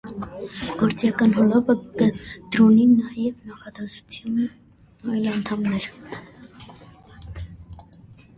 Գործիական հոլովով կը դրուին նաեւ նախադասութեան այլ անդամներ։